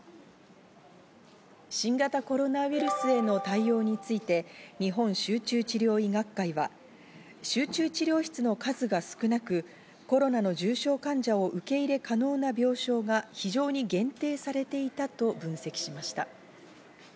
新型コロナウイルスへの対応について日本集中治療医学会は集中治療室の数が少なく、コロナの重症患者を受け入れ可能な病床が非常に限定されていたと分析しました。